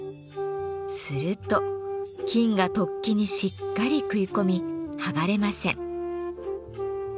すると金が突起にしっかり食い込み剥がれません。